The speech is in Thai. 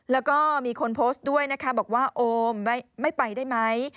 แล้วก็มีคนโพสต์ด้วยนะคะบอกว่าโอมไม่ไปได้ไหม